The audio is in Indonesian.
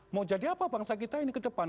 mau jadi apa bangsa kita ini ke depan